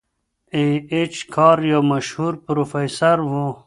ای اېچ کار یو مشهور پروفیسور و.